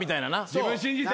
自分信じて。